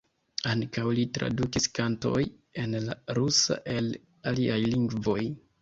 Ankaŭ li tradukis kantoj en la rusa el aliaj lingvoj.